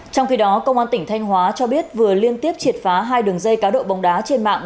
trong khi đó công an tỉnh thanh hóa cho biết vừa liên tiếp triệt phá hai đường dây cá độ bóng đá trên mạng